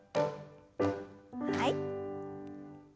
はい。